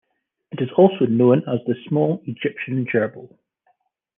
It is also known as the small Egyptian gerbil.